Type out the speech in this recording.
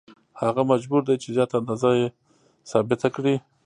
هغه مجبور دی چې زیاته اندازه یې ثابته کړي